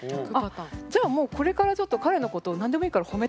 じゃあもうこれからちょっと彼のことを何でもいいからははあ。